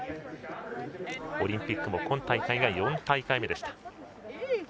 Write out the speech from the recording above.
オリンピックも今大会が４大会目でした。